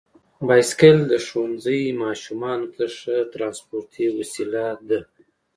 بایسکل د ښوونځي ماشومانو ته ښه ترانسپورتي وسیله ده.